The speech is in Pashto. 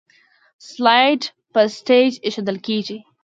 سلایډ په سټیج ایښودل کیږي.